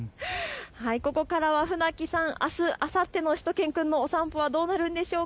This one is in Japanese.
ここからは船木さん、あすあさってのしゅと犬くんのお散歩はどうなるんでしょうか。